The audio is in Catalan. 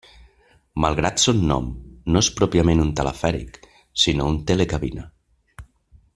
Malgrat son nom, no és pròpiament un telefèric, sinó un telecabina.